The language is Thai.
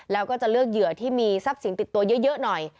แล้วก็จะเลือกเหยื่อที่มีทรัพย์สินติดตัวเยอะหน่อย